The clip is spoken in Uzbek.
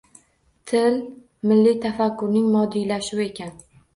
Til milliy tafakkurning moddiylashuvi ekan